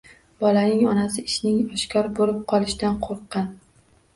Bolaning onasi ishning oshkor bo‘lib qolishidan qo‘rqqan.